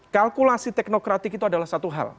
kalkulasi teknokratik itu adalah satu hal